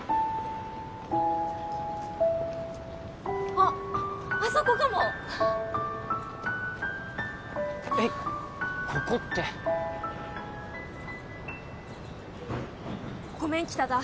あっあそこかもえっここってごめん北田